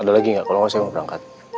ada lagi gak kalau gak saya mau berangkat